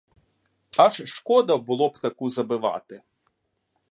Аж шкода було б таку забивати.